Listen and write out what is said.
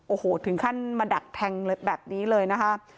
โอ้โหถึงขั้นมาดักแทงแบบนี้เลยนะคะ